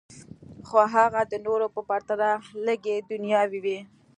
خو هغه د نورو په پرتله لږې دنیاوي وې